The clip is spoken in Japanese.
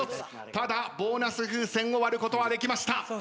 ただボーナス風船を割ることはできました。